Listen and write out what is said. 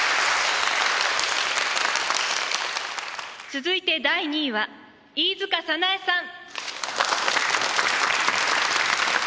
続いて第２位は飯塚早苗さん。